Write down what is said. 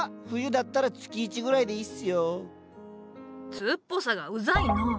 通っぽさがうざいのう。